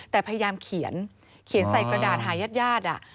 แต่พยายามเขียนเขียนใส่กระดาษหายาด